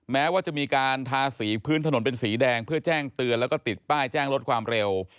แม้ว่าจะมีการทาสีพื้นถนนเป็นสีแดงเพื่อแจ้งเตือนแล้วก็ติดป้ายแจ้งลดความเร็ว